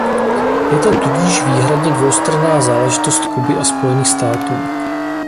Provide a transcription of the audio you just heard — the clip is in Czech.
Je to tudíž výhradně dvoustranná záležitost Kuby a Spojených států.